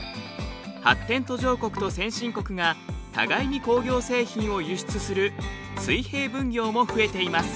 発展途上国と先進国が互いに工業製品を輸出する水平分業も増えています。